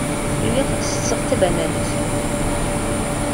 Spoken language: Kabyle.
Lliɣ tetteɣ tabanant.